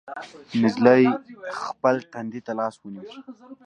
نجلۍ خپل تندي ته لاس ونيو.